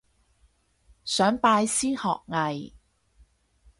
想拜師學藝